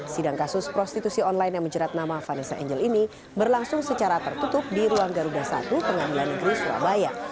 sidang kasus prostitusi online yang menjerat nama vanessa angel ini berlangsung secara tertutup di ruang garuda satu pengadilan negeri surabaya